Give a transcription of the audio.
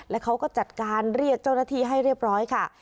แล้วเขาก็จัดการเรียกเจ้าหน้าที่ให้เรียบร้อยค่ะ